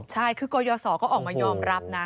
ใช่คือกรยศก็ออกมายอมรับนะ